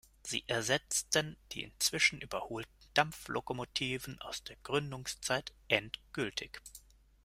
Sie ersetzten die inzwischen überholten Dampflokomotiven aus der Gründungszeit endgültig.